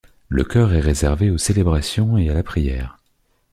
Le chœur est réservé aux célébrations et à la prière.